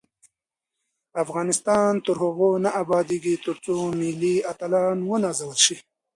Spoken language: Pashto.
افغانستان تر هغو نه ابادیږي، ترڅو ملي اتلان ونازل شي.